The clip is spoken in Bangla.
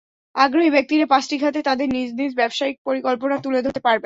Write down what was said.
আগ্রহী ব্যক্তিরা পাঁচটি খাতে তাঁদের নিজ নিজ ব্যবসায়িক পরিকল্পনা তুলে ধরতে পারবেন।